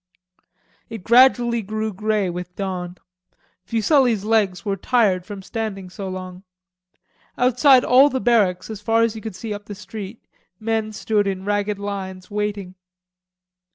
It gradually grew grey with dawn. Fuselli's legs were tired from standing so long. Outside all the barracks, as far as he could see up the street, men stood in ragged lines waiting.